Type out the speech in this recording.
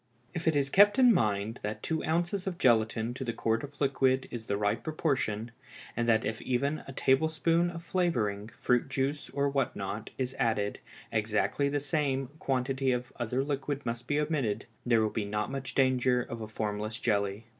_ If it is kept in mind that two ounces of gelatine to the quart of liquid is the right proportion, and that if even a tablespoonful of flavoring, fruit juice, or what not, is added, exactly the same quantity of other liquid must be omitted, there will not be much danger of formless jelly.